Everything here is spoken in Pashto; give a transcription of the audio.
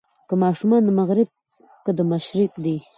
که ماشومان د مغرب که د مشرق دي.